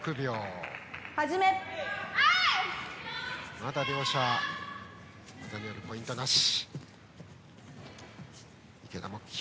まだ両者技によるポイントなし。